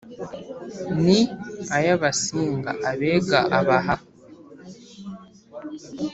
Ni ay abasinga abega abaha